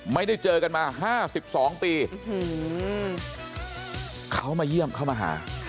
ไม่ได้เจอกันมาห้าสิบสองปีเขามาเยี่ยมเขามาหา